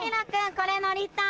これ乗りたい。